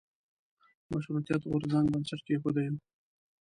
د مشروطیت د غورځنګ بنسټ کېښودیو.